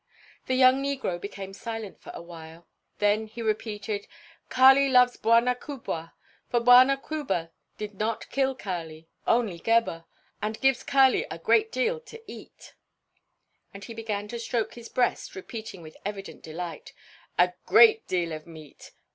The young negro became silent for a while; then he repeated: "Kali loves Bwana kubwa, for Bwana kubwa did not kill Kali, only Gebhr, and gives Kali a great deal to eat." And he began to stroke his breast, repeating with evident delight: "A great deal of meat!